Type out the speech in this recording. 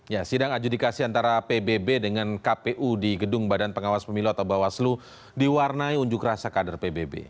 ya sidang adjudikasi antara pbb dengan kpu di gedung badan pengawas pemilu atau bawaslu diwarnai unjuk rasa kader pbb